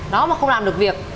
nó mà không làm được việc